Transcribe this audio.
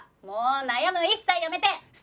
もう悩むの一切やめて！